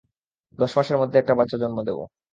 দশ মাসের মধ্যে একটা বাচ্ছা জন্ম দেব।